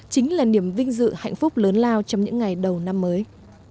chính là niềm vinh dự hạnh phúc lớn lao trong những ngày đầu năm mới